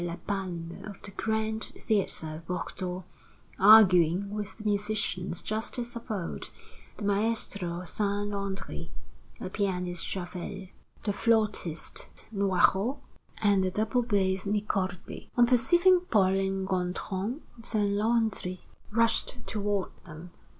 Lapalme of the Grand Theater of Bordeaux, arguing with the musicians just as of old, the maestro Saint Landri, the pianist Javel, the flautist Noirot, and the double bass Nicordi. On perceiving Paul and Gontran, Saint Landri rushed toward them.